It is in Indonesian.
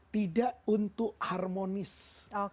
tidak untuk harmonis